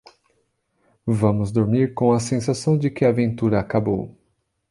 Vamos dormir com a sensação de que a aventura acabou.